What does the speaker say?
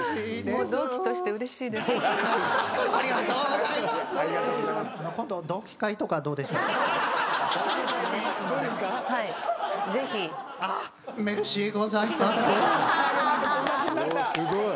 おすごい。